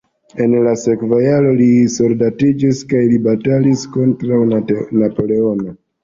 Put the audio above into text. En la sekva jaro li soldatiĝis kaj li batalis kontraŭ Napoleono.